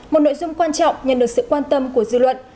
một nội dung quan trọng nhận được sự quan tâm của dư luận